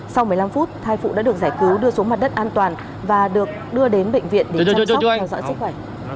sau một mươi năm phút thai phụ đã được giải cứu đưa xuống mặt đất an toàn và được đưa đến bệnh viện để đưa đi theo dõi sức khỏe